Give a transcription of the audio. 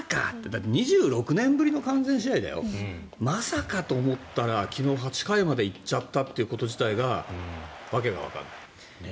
だって２６年ぶりの完全試合だよまさかと思ったら昨日、８回まで行っちゃったということ自体が訳がわからない。